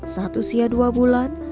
saat usia dua bulan